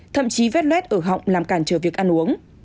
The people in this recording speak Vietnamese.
thậm chí vết luet ở họng làm cản trở việc ăn uống